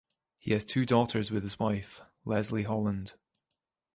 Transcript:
He has two daughters with his wife, Leslie Holland.